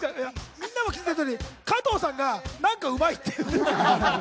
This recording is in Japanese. みんなも気付いた通り加藤さんが何かうまいっていう。